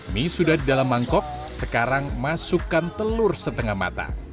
mie sudah di dalam mangkok sekarang masukkan telur setengah mata